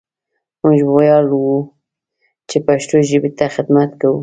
موږ وياړو چې پښتو ژبې ته خدمت کوو!